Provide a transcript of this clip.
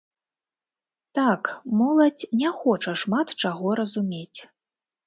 Так, моладзь не хоча шмат чаго разумець.